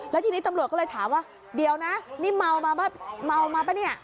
แล้วทีนี้ตำรวจก็เลยถามว่าเดี๋ยวนะนี่เมามาป่ะเมามาป่ะเนี่ย